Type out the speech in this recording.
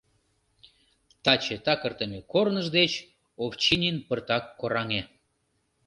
Таче такыртыме корныж деч Овчинин пыртак кораҥе.